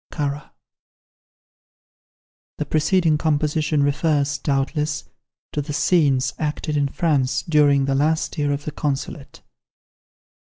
[The preceding composition refers, doubtless, to the scenes acted in France during the last year of the Consulate.